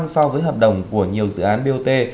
so với hợp đồng của nhiều dự án bot